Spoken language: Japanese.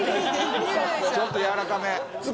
ちょっとやわらかめ。